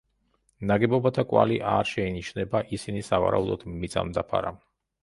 ნაგებობათა კვალი არ შეინიშნება, ისინი, სავარაუდოდ, მიწამ დაფარა.